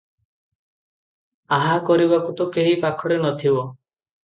ଆହା କରିବାକୁ ତ କେହି ପାଖରେ ନଥିବ ।